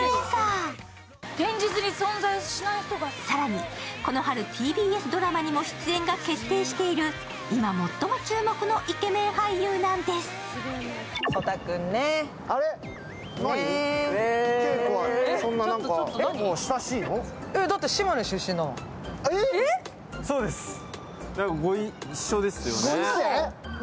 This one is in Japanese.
更にこの春ＴＢＳドラマにも出演が決定している今、最も注目のイケメン俳優なんです。